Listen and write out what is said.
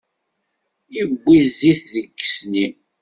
Iwwi zzit deg isni.